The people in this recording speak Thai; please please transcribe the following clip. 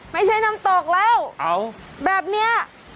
ไม่ใช่น้ำตกแล้วแบบนี้